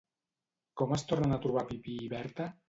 Com es tornen a trobar Pipí i Berta?